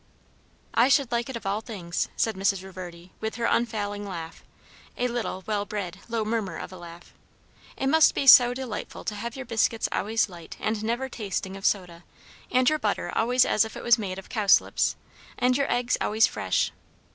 "I should like it of all things," said Mrs. Reverdy with her unfailing laugh; a little, well bred, low murmur of a laugh. "It must be so delightful to have your biscuits always light and never tasting of soda; and your butter always as if it was made of cowslips; and your eggs always fresh.